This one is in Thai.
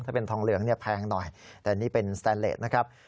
ถ้าเป็นทองเหลืองเนี่ยแพงหน่อยแต่นี่เป็นสแตนเลสนะครับ